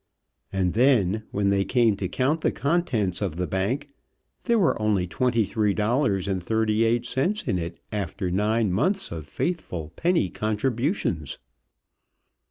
And then, when they came to count the contents of the bank, there were only twenty three dollars and thirty eight cents in it after nine months of faithful penny contributions.